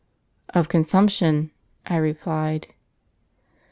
'Of consumption,' I replied.